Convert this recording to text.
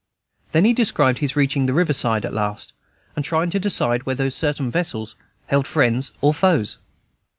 Then he described his reaching the river side at last, and trying to decide whether certain vessels held friends or foes.